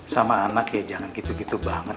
sama anak ya jangan gitu gitu banget